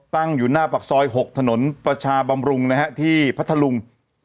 ตั้งอยู่หน้าปากซอย๖ถนนประชาบำรุงนะฮะที่พัทธลุง